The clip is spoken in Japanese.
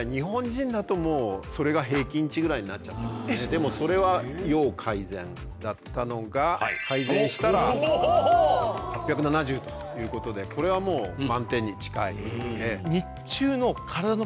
でもそれは要改善だったのが改善したら８７０ということでこれはもう満点に近い。